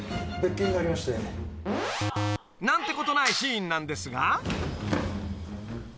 ［何てことないシーンなんですが］